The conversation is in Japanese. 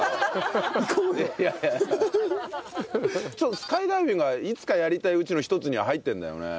スカイダイビングはいつかやりたいうちの一つには入ってるんだよね。